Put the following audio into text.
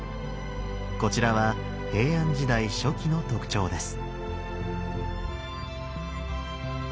こちらは平安時代初期の特徴です。